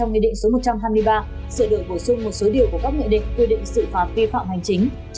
trong nghị định số một trăm hai mươi ba sự đổi bổ sung một số điều của các nghệ định quy định xử phạt vi phạm hành chính